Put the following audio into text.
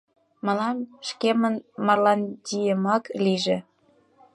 — Мылам шкемын Марландиемак лийже.